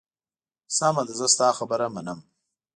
سمه ده، زه ستا خبره منم.